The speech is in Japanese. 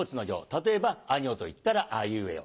例えば「あ行」といったら「あいうえお」。